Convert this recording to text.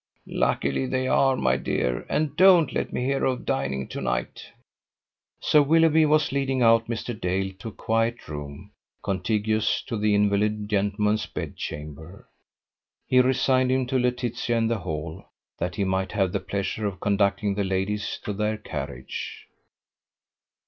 "Luckily they are, my dear. And don't let me hear of dining to night!" Sir Willoughby was leading out Mr. Dale to a quiet room, contiguous to the invalid gentleman's bedchamber. He resigned him to Laetitia in the hall, that he might have the pleasure of conducting the ladies to their carriage.